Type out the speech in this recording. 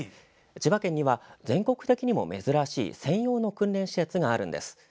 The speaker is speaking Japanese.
千葉県には全国的にも珍しい専用の訓練施設があるんです。